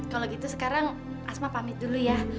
kalau gitu sekarang asma pamit dulu ya